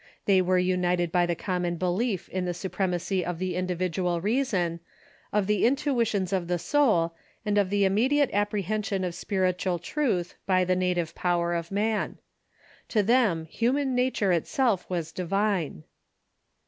They were united by the common belief in the supremacy of the individual reason, of the intuitions of the soul, and of the immediate apprehension of spiritual truth by the native power of man. To them human nature itself was divine.